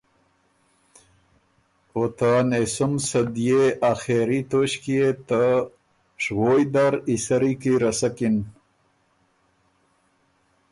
او ته انېسُم صدئے آخېري توݭکيې ته شوویٛ در ای سری کی رسکِن۔